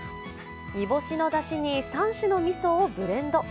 煮干しのだしに３種のみそをブレンド。